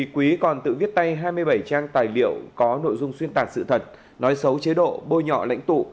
quý còn tự viết tay hai mươi bảy trang tài liệu có nội dung xuyên tạc sự thật nói xấu chế độ bôi nhọ lãnh tụ